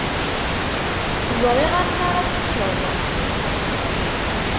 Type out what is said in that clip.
Ẓriɣ amnaṛ ad t-tekkeḍ.